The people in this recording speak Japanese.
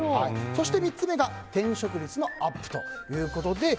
３つ目が転職率のアップということです。